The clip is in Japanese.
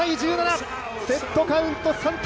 セットカウント３−０